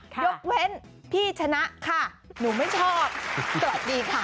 ยกเว้นพี่ชนะค่ะหนูไม่ชอบสวัสดีค่ะ